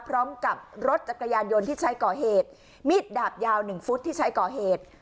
พร้อมกับรถจักรยานยนต์ที่ใช้ก่อเหตุมีดดาบยาว๑ฟุตที่ใช้ก่อเหตุ